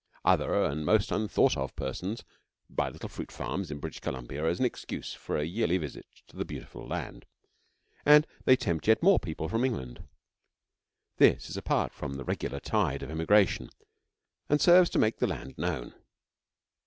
Other and most unthought of persons buy little fruit farms in British Columbia as an excuse for a yearly visit to the beautiful land, and they tempt yet more people from England. This is apart from the regular tide of emigration, and serves to make the land known.